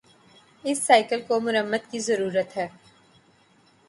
اس cycle کو مرمت کی ضرورت ہے